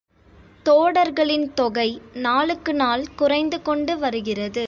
தோடர்களின் தொகை நாளுக்கு நாள் குறைந்து கொண்டு வருகிறது.